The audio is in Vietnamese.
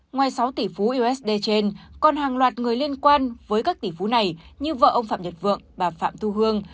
ngoài sáu tỷ phú usd trên còn hàng loạt người liên quan với các tỷ phú này như vợ ông phạm nhật vượng bà phạm thu hương